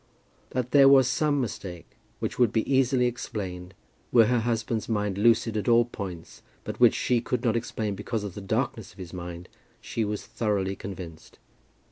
That there was some mistake which would be easily explained were her husband's mind lucid at all points, but which she could not explain because of the darkness of his mind, she was thoroughly convinced.